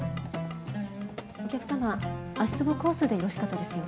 ・お客様足つぼコースでよろしかったですよね？